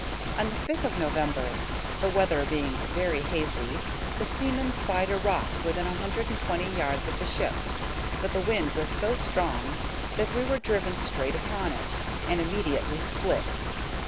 On the 5th of November, the weather being very hazy, the seamen spied a rock within 120 yards of the ship; but the wind was so strong that we were driven straight upon it, and immediately split.